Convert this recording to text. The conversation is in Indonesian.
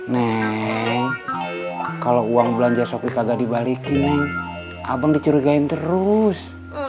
neng kalo uang belanja sopi kagak dibalikin abang dicurigain terus